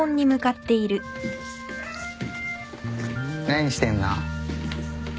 何してんの？